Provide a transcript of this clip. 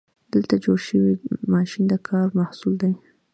دلته جوړ شوی ماشین د کار محصول دی.